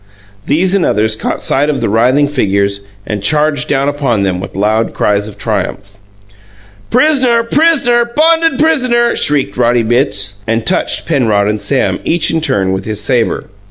These and others caught sight of the writhing figures, and charged down upon them with loud cries of triumph. "Pris'ner! Pris'ner! Bonded pris'ner!" shrieked Roddy Bitts, and touched Penrod and Sam, each in turn, with his sabre.